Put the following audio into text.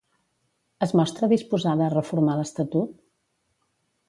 Es mostra disposada a reformar l'estatut?